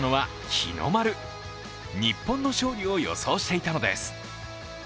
日本の勝利を予想していたのです。